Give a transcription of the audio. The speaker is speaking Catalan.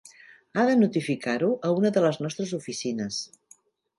Ha de notificar-ho a una de les nostres oficines.